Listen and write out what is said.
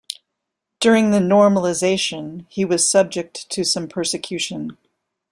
During the Normalization he was subject to some persecution.